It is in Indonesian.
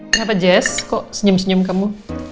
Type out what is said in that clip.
kenapa jazz kok senyum senyum kamu